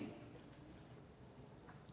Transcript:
dan tidak pernah dibuka oleh penyidik